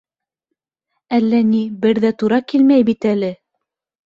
Әллә ни бер ҙә тура килмәй бит әле.